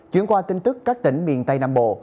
chuyển qua tin tức các tỉnh miền tây nam bộ